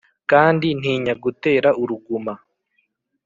Kandi ntinya gutera uruguma?